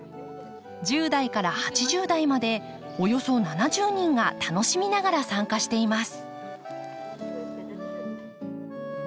１０代から８０代までおよそ７０人が楽しみながら参加しています。